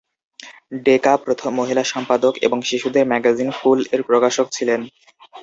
ডেকা প্রথম মহিলা সম্পাদক এবং শিশুদের ম্যাগাজিন "ফুল" এর প্রকাশক ছিলেন।